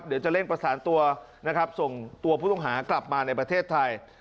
เดี๋ยวจะเร่งประสานตัวนะครับส่งตัวผู้ต้องหากลับมาในประเทศไทย